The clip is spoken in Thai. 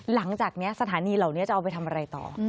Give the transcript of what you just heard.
หลังจากนี้สถานีเหล่านี้จะเอาไปทำอะไรต่อ